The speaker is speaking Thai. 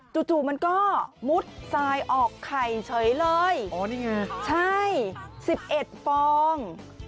จู่มันก็มุดทรายออกไข่เฉยเลยอ๋อนี่ไงใช่๑๑ฟอง